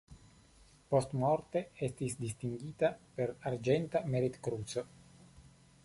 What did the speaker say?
Postmorte estis distingita per Arĝenta Merit-Kruco.